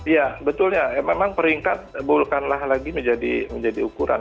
ya betulnya memang peringkat bukanlah lagi menjadi ukuran